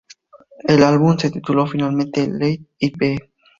El álbum se tituló, finalmente, "Let It Be".